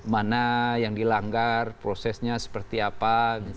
mana yang dilanggar prosesnya seperti apa